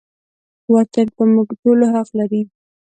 وطن په موږ ټولو حق لري